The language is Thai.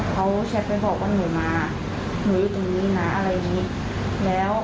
เขาแชร์ไปบอกหนูมาหนูจะอยู่ร้ายอะไรอย่างนี้